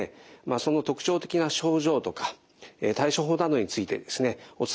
その特徴的な症状とか対処法などについてですねお伝えできればと思います。